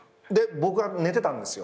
僕は寝てたんですよ。